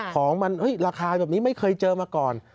ของมันราคาแบบนี้ไม่เคยเจอมาก่อน